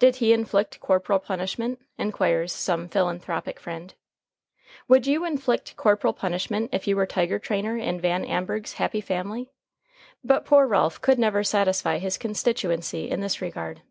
Did he inflict corporal punishment? inquires some philanthropic friend. Would you inflict corporal punishment if you were tiger trainer in Van Amburgh's happy family? But poor Ralph could never satisfy his constituency in this regard.